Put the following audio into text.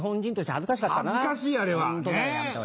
恥ずかしいあれはねぇ！